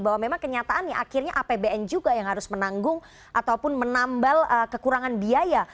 bahwa memang kenyataannya akhirnya apbn juga yang harus menanggung ataupun menambal kekurangan biaya